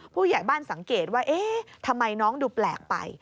ผู้ใหญ่บ้านสังเกตว่าเอ๊ะทำไมน้องดูแปลกไป